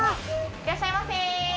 いらっしゃいませ！